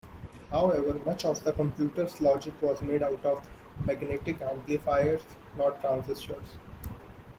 However, much of the computer's logic was made out of magnetic amplifiers, not transistors.